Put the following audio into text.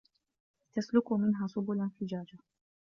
لِتَسلُكوا مِنها سُبُلًا فِجاجًا